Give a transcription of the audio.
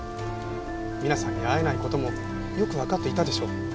皆さんに会えない事もよくわかっていたでしょう。